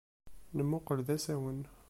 Nemmuqqel d asawen.